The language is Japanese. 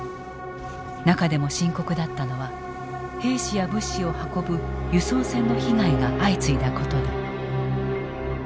中でも深刻だったのは兵士や物資を運ぶ輸送船の被害が相次いだことだ。